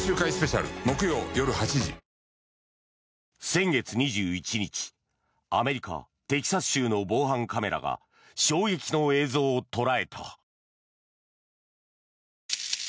先月２１日アメリカ・テキサス州の防犯カメラが衝撃の映像を捉えた。